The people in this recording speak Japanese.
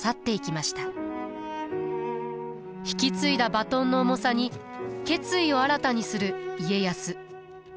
引き継いだバトンの重さに決意を新たにする家康。